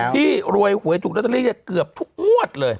ที่รวยหวยถูกลอตเตอรี่เกือบทุกงวดเลย